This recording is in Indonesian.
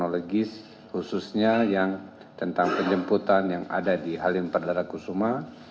kronologis khususnya yang tentang penjemputan yang ada di halim perdana kusuma